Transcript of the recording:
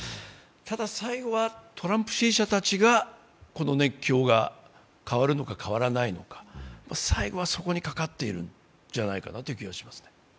ただ、最後はトランプ支持者たちの熱狂が変わるのか変わらないのか最後はそこにかかっているんじゃないかなという気がしますね。